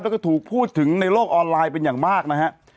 แล้วก็ถูกพูดถึงในโลกออนไลน์เป็นอย่างมากนะฮะ